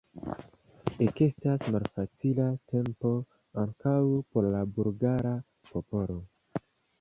Ekestas malfacila tempo ankaŭ por la bulgara popolo.